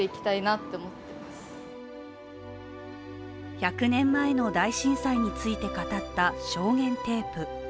１００年前の大震災について語った証言テープ。